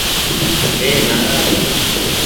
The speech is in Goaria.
مين نآراز ڇون ۔